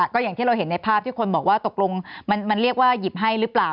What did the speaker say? ก็อย่างที่เราเห็นในภาพที่คนบอกว่าตกลงมันเรียกว่าหยิบให้หรือเปล่า